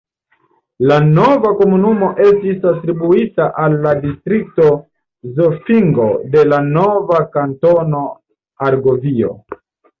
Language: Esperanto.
La nova komunumo estis atribuita al la distrikto Zofingo de la nova Kantono Argovio.